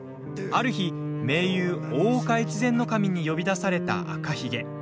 ある日、盟友・大岡越前守に呼び出された赤ひげ。